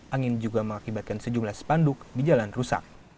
angin juga mengakibatkan sejumlah spanduk di jalan rusak